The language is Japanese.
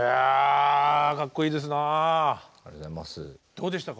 どうでしたか？